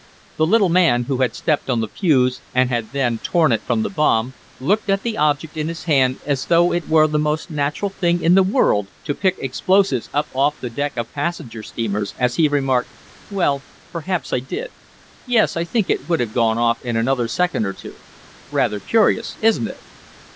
The little man who had stepped on the fuse, and had then torn it from the bomb, looked at the object in his hand as though it were the most natural thing in the world to pick explosives up off the deck of passenger steamers, as he remarked: "Well, perhaps I did. Yes, I think it would have gone off in another second or two. Rather curious; isn't it?"